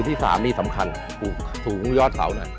ที่๓นี่สำคัญสูงยอดเสานะ